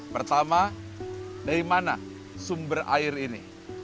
pertama dari mana sumber air ini